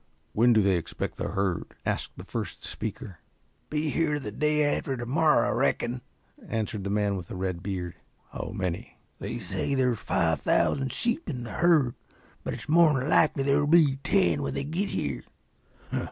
"When do they expect the herd?" asked the first speaker. "Be here the day after tomorrer I reckon," answered the man with the red beard. "How many?" "They say there's five thousand sheep in the herd, but it's more'n likely there'll be ten when they git here."